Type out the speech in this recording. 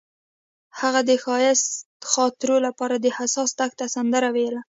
هغې د ښایسته خاطرو لپاره د حساس دښته سندره ویله.